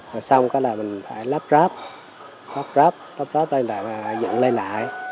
rồi xong cái là mình phải lắp ráp lắp ráp lắp ráp lên lại dựng lên lại